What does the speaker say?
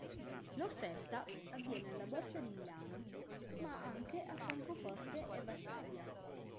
L’offerta avviene alla Borsa di Milano ma anche a Francoforte e Varsavia.